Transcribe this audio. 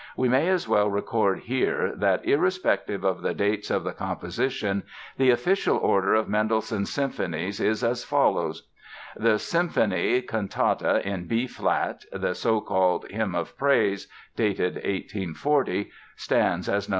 We may as well record here that, irrespective of the dates of the composition, the official order of Mendelssohn's symphonies is as follows: The Symphony Cantata in B flat (the so called "Hymn of Praise", dated 1840) stands as No.